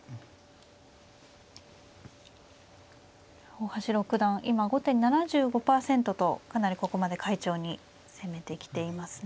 大橋六段今後手７５％とかなりここまで快調に攻めてきていますね。